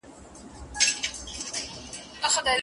شاګرد ته د موضوع جوړښت ور په ګوته کول اړین دي.